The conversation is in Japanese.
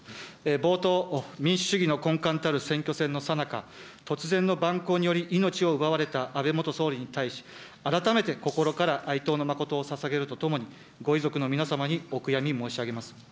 冒頭、民主主義の根幹たる選挙戦のさなか、突然の蛮行により、命を奪われた安倍元総理に対し、改めて心から哀悼の誠をささげるとともに、ご遺族の皆様にお悔やみ申し上げます。